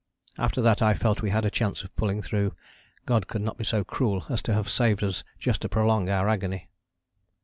After that I felt we had a chance of pulling through: God could not be so cruel as to have saved us just to prolong our agony.